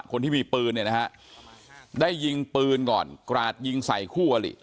คนที่มีปืนเนี่ยนะฮะได้ยิงปืนก่อนกราดยิงใส่คู่อลิ